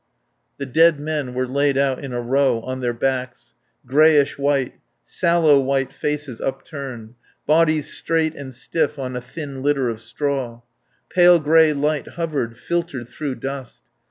The dead men were laid out in a row, on their backs; greyish white, sallow white faces upturned; bodies straight and stiff on a thin litter of straw. Pale grey light hovered, filtered through dust.